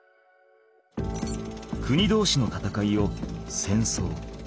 国同士の戦いを戦争